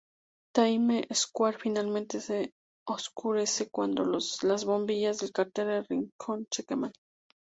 Times Square, finalmente se oscurece cuando las bombillas del cartel de Ricoh se queman.